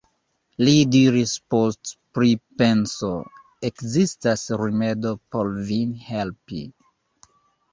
li diris post pripenso: ekzistas rimedo por vin helpi.